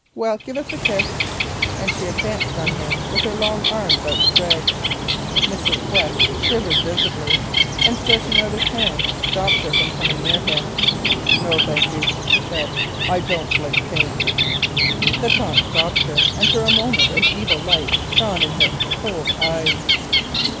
Well, give us a kiss," and she advanced on him with her long arms outspread. Mr. Quest shivered visibly, and stretching out his hand, stopped her from coming near him. "No, thank you," he said; "I don't like paint." The taunt stopped her, and for a moment an evil light shone in her cold eyes.